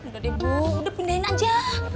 udah deh bu udah pindahin aja